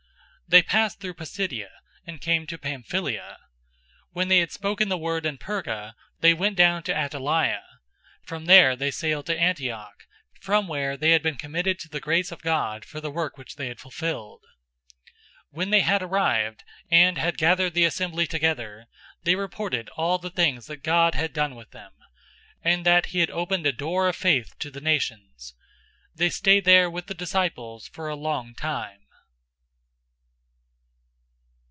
014:024 They passed through Pisidia, and came to Pamphylia. 014:025 When they had spoken the word in Perga, they went down to Attalia. 014:026 From there they sailed to Antioch, from where they had been committed to the grace of God for the work which they had fulfilled. 014:027 When they had arrived, and had gathered the assembly together, they reported all the things that God had done with them, and that he had opened a door of faith to the nations. 014:028 They stayed there with the disciples for a long time.